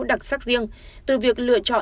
đặc sắc riêng từ việc lựa chọn